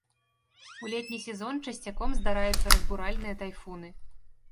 У летні сезон часцяком здараюцца разбуральныя тайфуны.